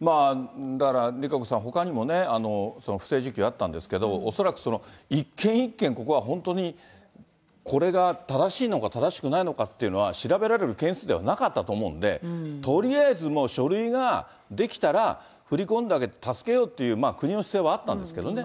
だから、ＲＩＫＡＣＯさん、ほかにも不正受給あったんですけど、恐らく一件一件、ここは本当にこれが正しいのか正しくないのかっていうのは、調べられる件数ではなかったと思うんで、とりあえずもう書類が出来たら、振り込んであげて助けようっていう国の姿勢はあったんですけどね。